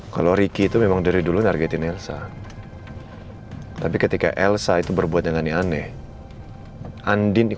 tapi gue harus tetap berani